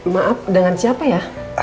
maaf dengan siapa ya